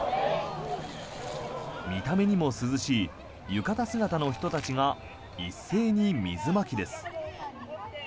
見た目にも涼しい浴衣姿の人たちが一斉に水まきです。